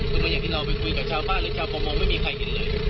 หรือว่าอย่างที่เราไปคุยกับชาวบ้านหรือชาวประมงไม่มีใครเห็นเลย